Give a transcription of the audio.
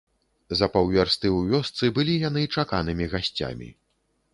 За паўвярсты ў вёсцы былі яны чаканымі гасцямі.